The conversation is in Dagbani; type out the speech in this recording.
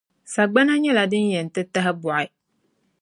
Sagbana nyɛla din yɛn ti tahibɔɣi.